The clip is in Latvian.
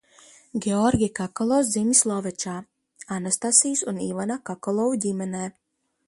Georgi Kakalovs dzimis Lovečā, Anastasijas un Ivana Kakalovu ģimenē.